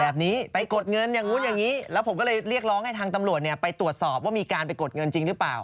แบบนี้ไปกดเงินอย่างนู้นอย่างนี้แล้วผมก็เลยเรียกร้องให้ทางตำรวจเนี่ยไปตรวจสอบว่ามีการไปกดเงินจริงหรือเปล่า